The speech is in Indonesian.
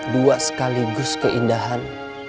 dua sekaligus keindahan